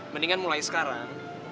mendingan mulai sekarang